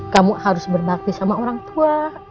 kamu harus bernakti sama orang tua